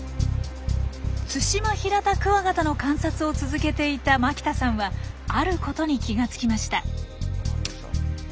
ツシマヒラタクワガタの観察を続けていた牧田さんはあることに気が付きました。